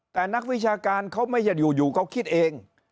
แต่นักวิชาการเขาไม่ใช่อยู่เขาคิดเอง